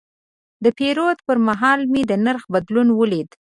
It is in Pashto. د پیرود پر مهال مې د نرخ بدلون ولید.